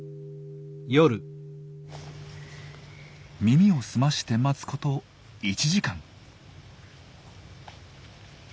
耳を澄まして待つこと１時間。